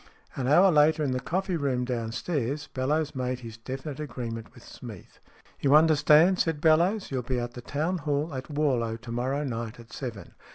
An hour later, in the coffee room downstairs, Bellowes made his definite agreement with Smeath. " You understand ?" said Bellowes. " You'll be at the town hall at Warlow to morrow night at seven.